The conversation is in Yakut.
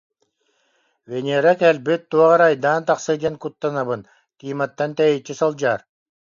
Венера кэлбит, туох эрэ айдаан тахсыа диэн куттанабын, Тиматтан тэйиччи сылдьаар